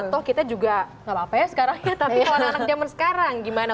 toh kita juga gak apa apa ya sekarang ya tapi kalau anak anak zaman sekarang gimana